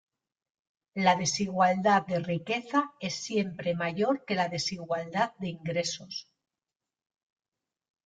La desigualdad de riqueza es siempre mayor que la desigualdad de ingresos.